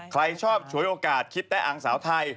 ใครชอบฉวยโอกาสคิดแต้อังสาวไทย